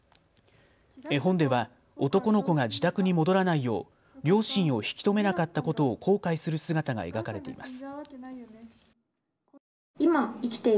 絵本では男の子が自宅に戻らないよう両親を引き止めなかったことを後悔する姿が描かれています。